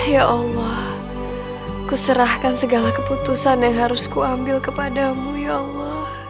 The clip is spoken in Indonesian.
ya allah ku serahkan segala keputusan yang harus ku ambil kepadamu ya allah